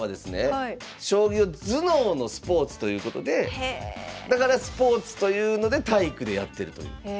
将棋を頭脳のスポーツということでだからスポーツというので体育でやってるという。